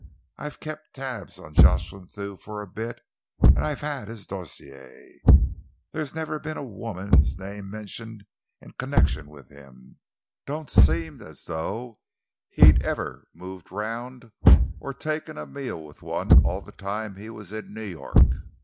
"I've kept tabs on Jocelyn Thew for a bit, and I've had his dossier. There's never been a woman's name mentioned in connection with him don't seem as though he'd ever moved round or taken a meal with one all the time he was in New York.